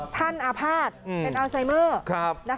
ท่านอาภาชเป็นอัลไซเมอร์